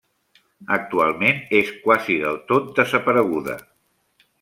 Actualment és quasi del tot desapareguda.